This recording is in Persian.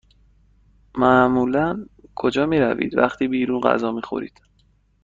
معمولا کجا می روید وقتی بیرون غذا می خورید؟